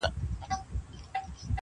خره غوږونه ښوروله بې پروا وو-